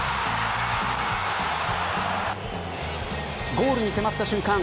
ゴールに迫った瞬間